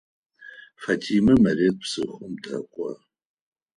Фатимэ Марыет псыхъом дэкӏо.